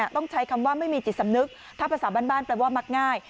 ต้องใช้คำว่าไม่มีจิตสำนึกถ้าภาษาบ้านแปลว่ามักง่าย